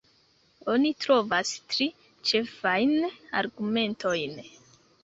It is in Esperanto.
Oni trovas tri ĉefajn argumentojn.